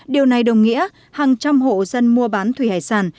điều này đồng nghĩa hàng trăm hộ dân mua bán thủy hải sản